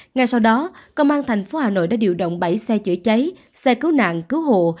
ngay sau đó công an thành phố hà nội đã điều động bảy xe chữa cháy xe cứu nạn cứu hộ